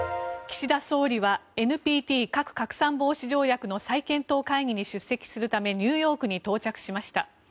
岸田総理はＮＰＴ・核拡散防止条約の再検討会議に出席するためニューヨークに到着しました。